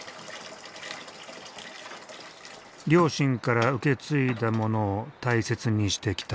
両親から受け継いだものを大切にしてきた。